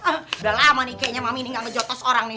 ah udah lama nih kayaknya mami ini gak ngejotos orang nih